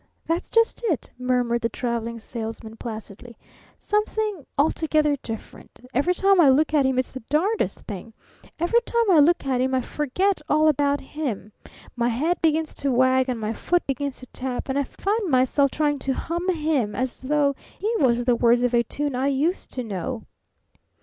That's just it," murmured the Traveling Salesman placidly. "Something altogether different. Every time I look at him it's the darnedest thing! Every time I look at him I forget all about him. My head begins to wag and my foot begins to tap and I find myself trying to hum him as though he was the words of a tune I used to know."